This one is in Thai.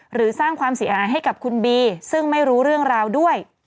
หรือสร้างความเสียหายให้กับคุณบีซึ่งไม่รู้เรื่องราวด้วย